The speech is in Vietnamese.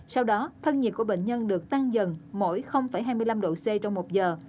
sau đó thân nhiệt của bệnh nhân được tăng dần mỗi hai mươi năm độ c trong một giờ